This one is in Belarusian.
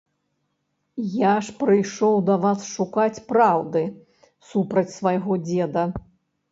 Я ж прыйшоў да вас шукаць праўды супраць свайго дзеда.